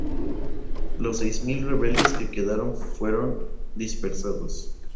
Los seis mil rebeldes que quedaban fueron dispersados.